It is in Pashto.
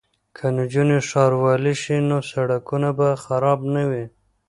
که نجونې ښاروالې شي نو سړکونه به خراب نه وي.